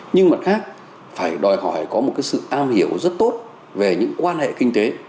nhưng mặt khác phải đòi hỏi có một sự am hiểu rất tốt về những quan hệ kinh tế